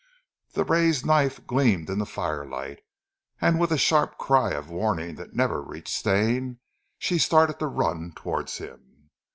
The raised knife gleamed in the firelight, and with a sharp cry of warning that never reached Stane, she started to run towards him.